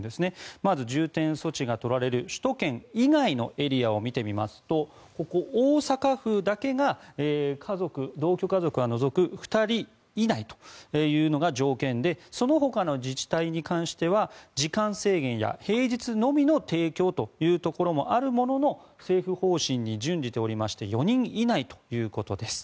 まず重点措置が取られる首都圏以外のエリアを見てみますとここ、大阪府だけが同居家族は除く２人以内というのが条件でそのほかの自治体に関しては時間制限や平日のみの提供というところもあるものの政府方針に準じていまして４人以内ということです。